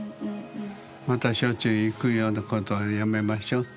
またしょっちゅう行くようなことはやめましょうって。